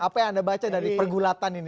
apa yang anda baca dari pergulatan ini